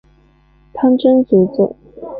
潘珍族子。